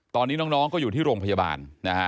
ตอนนี้น้องก็อยู่ที่โรงพยาบาลนะฮะ